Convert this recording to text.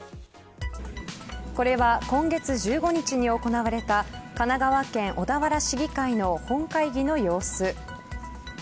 これは今月１５日に行われた神奈川県、小田原市議会の本会議の様子。